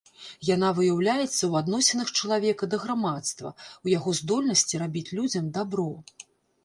Яна выяўляецца ў адносінах чалавека да грамадства, у яго здольнасці рабіць людзям дабро.